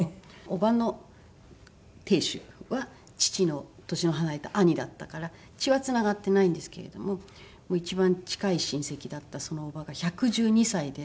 おばの亭主は父の年の離れた兄だったから血はつながってないんですけれども一番近い親戚だったそのおばが１１２歳で。